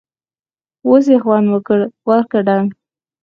اوس یې خوند وکړ٬ ورکه ډنګ!